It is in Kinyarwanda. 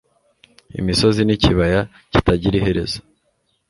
Imisozi nikibaya kitagira iherezo